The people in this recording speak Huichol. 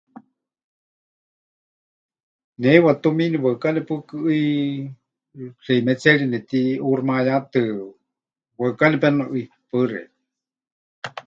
Ne heiwa tumiini waɨká nepukɨʼɨi xeimetseeri netiʼuuximayátɨ, waɨká nepenuʼɨi. Paɨ xeikɨ́a.